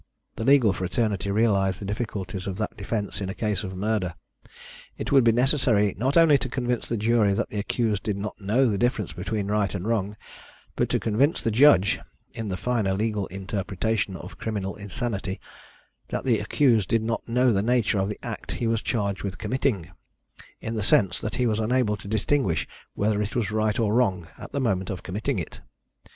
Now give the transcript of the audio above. The legal fraternity realised the difficulties of that defence in a case of murder. It would be necessary not only to convince the jury that the accused did not know the difference between right and wrong, but to convince the judge, in the finer legal interpretation of criminal insanity, that the accused did not know the nature of the act he was charged with committing, in the sense that he was unable to distinguish whether it was right or wrong at the moment of committing it.